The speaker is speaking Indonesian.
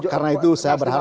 karena itu saya berharap